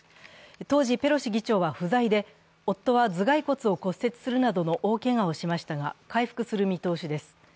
当時、ペロシ議長は不在で夫は頭蓋骨を骨折するなどの大けがをしましたが、回復する見通しです。